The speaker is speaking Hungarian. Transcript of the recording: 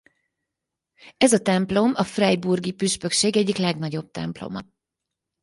Ez a templom a Freiburgi püspökség egyik legnagyobb temploma.